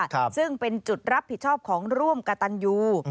ซึ่งเป็นจุดรับผิดชอบของร่วมกระตันยู